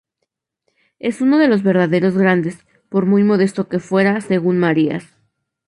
Es uno de los verdaderos grandes, por muy modesto que fuera, según Marías.